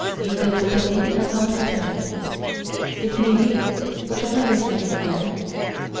Joseph Rouletabille has not returned. It may be we shall never see him again.